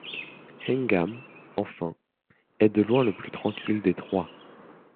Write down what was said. Heigham, enfin, est de loin le plus tranquille des trois.